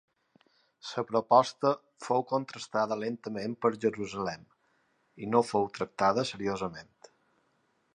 La proposta fou contestada lentament per Jerusalem i no fou tractada seriosament.